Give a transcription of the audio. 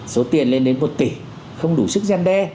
số tiền lên đến một tỷ không đủ sức gian đe